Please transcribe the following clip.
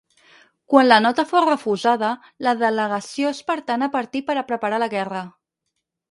Quan la nota fou refusada, la delegació espartana partí per a preparar la guerra.